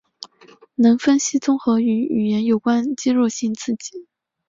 能分析综合与语言有关肌肉性刺激。